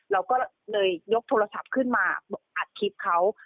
เราก็เลยยกโทรศัพท์ขึ้นมาอัดคลิปเขา